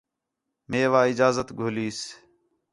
میوا اجازت گھلیس